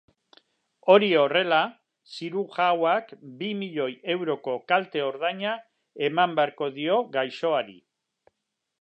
Hori horrela, zirujauak bi milioi euroko kalte-ordaina eman beharko dio gaixoari.